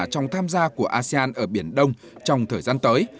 trong tham gia của asean ở biển đông trong thời gian tới